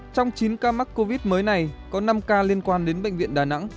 trong chín ca mắc covid mới này có năm ca liên quan đến bệnh viện đà nẵng